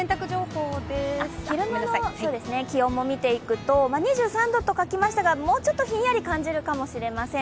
昼間の気温も見ていくと、２３度と書きましたが、もうちょっとひんやり感じるかもしれません。